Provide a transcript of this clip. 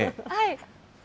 はい。